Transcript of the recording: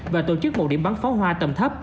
và tổ chức một điểm bắn pháo hoa tầm thấp